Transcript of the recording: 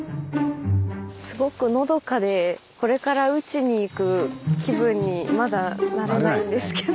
すごくのどかでこれから討ちに行く気分にまだなれないんですけど。